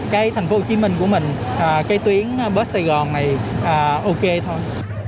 cái thành phố hồ chí minh của mình cái tuyến buýt sài gòn này ok thôi